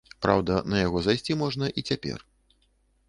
Праўда, на яго зайсці можна і цяпер.